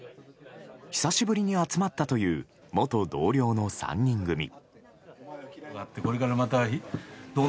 久しぶりに集まったという元同僚の３人組。